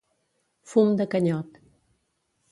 Fum de canyot.